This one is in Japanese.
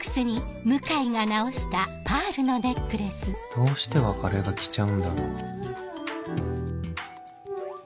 どうして別れがきちゃうんだろう